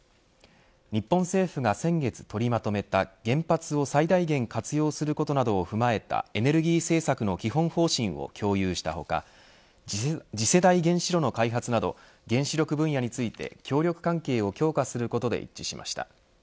日本政府が先月取りまとめた原発を最大限活用することなどを踏まえたエネルギー政策の基本方針を共有した他次世代原子炉の開発など原子力分野について協力関係を強化することで一致しました。